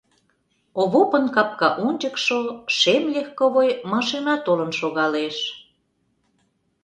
Овопын капка ончыкшо шем легковой машина толын шогалеш.